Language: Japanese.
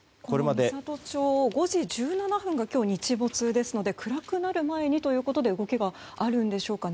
美郷町５時１７分が日没ですので暗くなる前にということで動きがあるんでしょうかね。